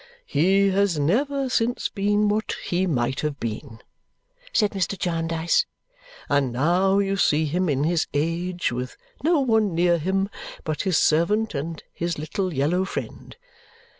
"He has never since been what he might have been," said Mr. Jarndyce, "and now you see him in his age with no one near him but his servant and his little yellow friend.